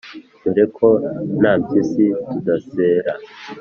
_Dore ko nta mpyisi tudasera